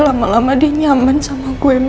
lama lama dia nyaman sama gue